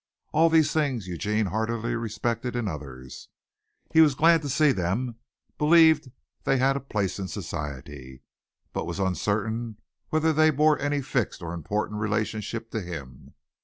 All these things Eugene heartily respected in others. He was glad to see them, believed they had a place in society, but was uncertain whether they bore any fixed or important relationship to him.